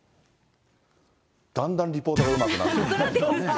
だんだんリポートがうまくなっていく。